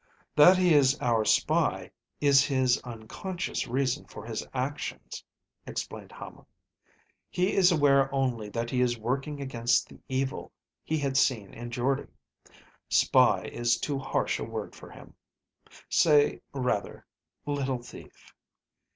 "That he is our spy is his unconscious reason for his actions," explained Hama. "He is aware only that he is working against the evil he has seen in Jordde. Spy is too harsh a word for him. Say, rather, little thief.